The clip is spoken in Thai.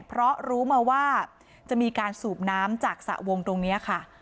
เพราะรู้มาว่าจะมีการสูบน้ำจากสระวงตรงนี้ค่ะ